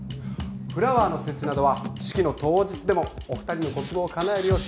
フラワーの設置などは式の当日でもお二人のご希望をかなえるよう調整していますので。